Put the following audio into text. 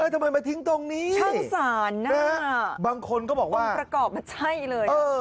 ทำไมมาทิ้งตรงนี้แต่บางคนก็บอกว่าช่างสารต้องประกอบมาใช่เลย